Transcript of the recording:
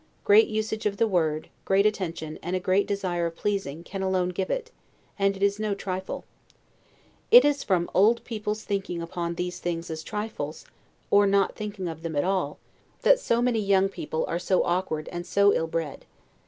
Great usage of the world, great attention, and a great desire of pleasing, can alone give it; and it is no trifle. It is from old people's looking upon these things as trifles, or not thinking of them at all, that so many young people are so awkward and so ill bred.